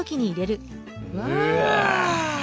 うわ。